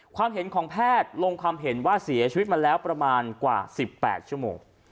ความเห็นของแพทย์ลงความเห็นว่าเสียชีวิตมาแล้วประมาณกว่า๑๘ชั่วโมง